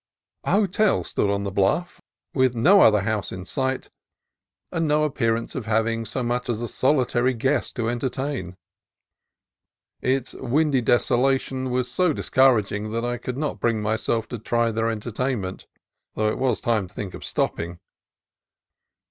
A hotel stood on the bluff, with no other house in sight and no appearance of having so much as a solitary guest to entertain. Its windy desolation was so discouraging that I could not bring myself to try their entertainment, though it was time to think of stopping.